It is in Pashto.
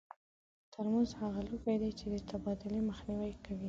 ترموز هغه لوښي دي چې د تبادلې مخنیوی کوي.